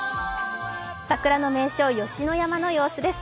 桜の名所、吉野山の様子です。